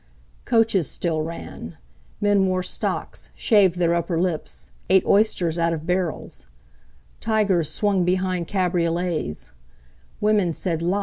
Coaches still ran; men wore stocks, shaved their upper lips, ate oysters out of barrels; "tigers" swung behind cabriolets; women said, "La!"